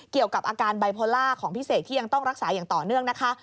เกี่ยวกับอาการไบโพล่าของพิเศษที่ยังต้องรักษาอย่างต่อเนื่องนะคะ